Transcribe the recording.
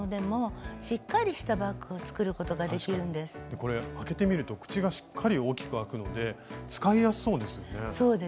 これ開けてみると口がしっかり大きく開くので使いやすそうですよね。